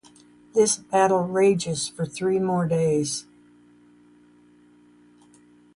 The battle rages for three more days.